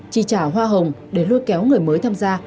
chi trả hoa hồng để lôi kéo người mới tham gia